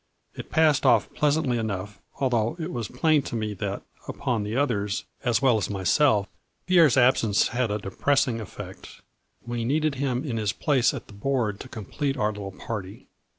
It passed off pleas antly enough, although it was plain to me that, upon the others as well as myself, Pierre's absence had a depressing effect. We needed him in his place at the board to complete our little party.